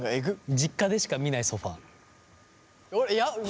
実家でしか見ないソファー。